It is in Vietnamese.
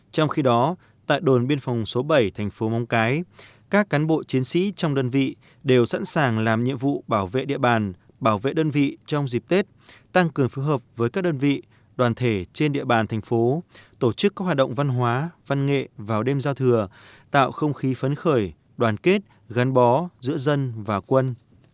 trong khi đó tại đồn biên phòng số bảy thành phố mông cái các cán bộ chiến sĩ trong đơn vị đều sẵn sàng làm nhiệm vụ bảo vệ địa bàn bảo vệ đơn vị trong dịp tết tăng cường phù hợp với các đơn vị đoàn thể trên địa bàn thành phố tổ chức các hoạt động văn hóa văn nghệ vào đêm giao thừa tạo không khí phấn khởi đoàn kết gắn bó giữa dân và quân